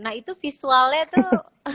nah itu visualnya tuh